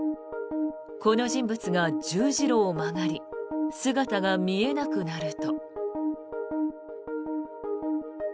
この人物が十字路を曲がり姿が見えなくなると。